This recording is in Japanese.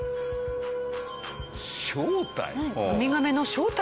正体？